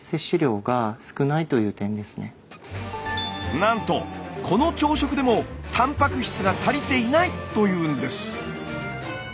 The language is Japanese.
なんとこの朝食でもたんぱく質が足りていないというんです。